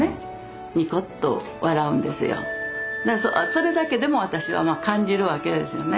それだけでも私は感じるわけですよね。